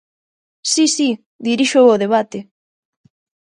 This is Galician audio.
Si, si, dirixo eu o debate.